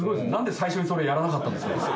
何で最初にそれやらなかったんですか？